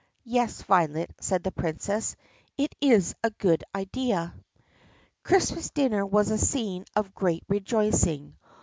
"Yes, Violet," said the Princess, "It is a good idea." Christmas dinner was a scene of great rejoicing.